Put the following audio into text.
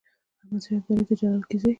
د احمد شاه ابدالي د جلال کیسې.